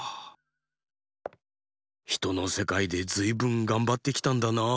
ひとのせかいでずいぶんがんばってきたんだなあ。